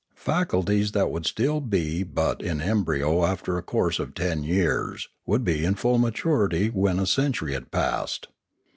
Facul ties that would still be but in embryo after a course often years would be in full maturity when a century had passed.